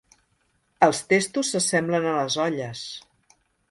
Els testos s'assemblen a les olles.